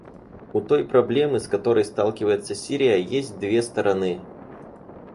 У той проблемы, с которой сталкивается Сирия, есть две стороны.